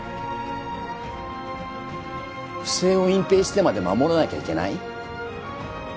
不正を隠蔽してまで守らなきゃいけない？